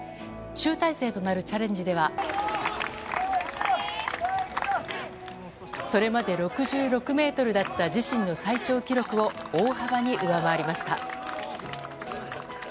集大成となるチャレンジではそれまで６６ｍだった自身の最長記録を大幅に上回りました。